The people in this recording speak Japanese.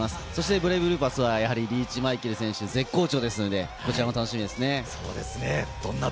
ブレイブルーパスはやはり、リーチ・マイケル選手、絶好調ですので、こちらも楽しみです。